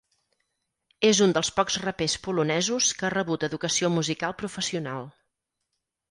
És un dels pocs rapers polonesos que ha rebut educació musical professional.